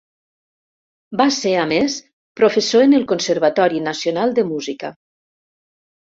Va ser a més professor en el Conservatori Nacional de Música.